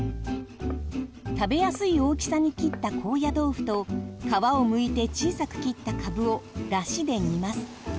食べやすい大きさに切った高野豆腐と皮をむいて小さく切ったかぶをだしで煮ます。